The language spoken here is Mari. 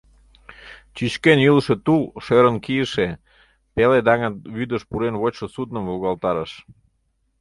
Чӱчкен йӱлышӧ тул шӧрын кийыше, пеле даҥыт вӱдыш пурен вочшо судным волгалтарыш.